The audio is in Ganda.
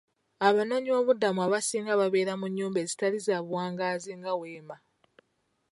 Abanoonyi b'obubuddamu abasinga babera mu nnyumba ezitali za buwangaazi nga weema.